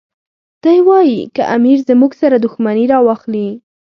دی وایي که امیر زموږ سره دښمني راواخلي.